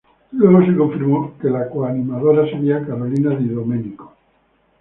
Luego se confirmó que la co-animadora seria Carolina Di Domenico.